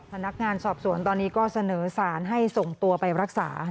พนักงานสอบสวนตอนนี้ก็เสนอสารให้ส่งตัวไปรักษา